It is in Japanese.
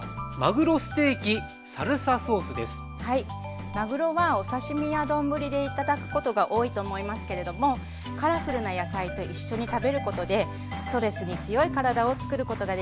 続いてはまぐろはお刺身や丼で頂くことが多いと思いますけれどもカラフルな野菜と一緒に食べることでストレスに強い体をつくることができます。